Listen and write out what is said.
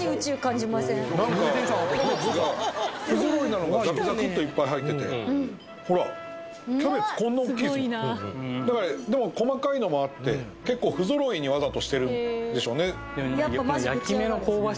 何かキャベツが不揃いなのがザクザクっといっぱい入っててほらキャベツこんな大きいですもんでも細かいのもあって結構不揃いにわざとしてるんでしょうね